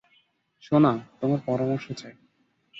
সোনা, তোমার পরামর্শ চাই?